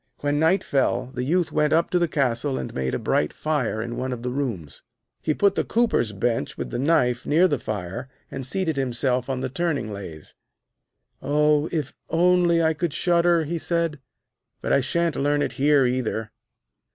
When night fell, the Youth went up to the castle and made a bright fire in one of the rooms. He put the cooper's bench with the knife near the fire, and seated himself on the turning lathe. 'Oh, if only I could shudder,' he said; 'but I shan't learn it here either.'